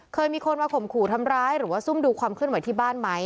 เคยมีคนมาข่มขู่ทำร้ายหรือว่าซุ่มดูความเคลื่อนไหวที่บ้านไหม